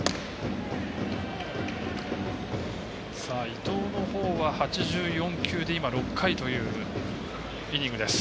伊藤のほうは８５球で６回というイニングです。